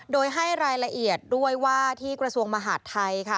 โดยให้รายละเอียดด้วยว่าที่กระทรวงมหาดไทยค่ะ